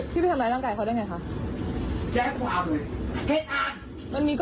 ปิ๊บตามึงทำพระอุธเสียใจที่สุดเลยวันนี้